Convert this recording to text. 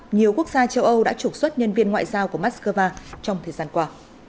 nhiều quốc gia châu âu đã trục xuất nhân viên ngoại giao của moscow trong thời gian qua